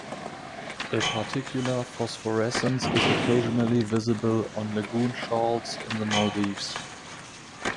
A particular phosphorescence is occasionally visible on lagoon shoals in the Maldives.